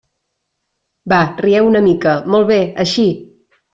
Va, rieu una mica, molt bé, així!